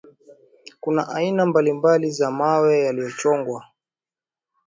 kuna aina mbalimbali za mawe yaliyochongwa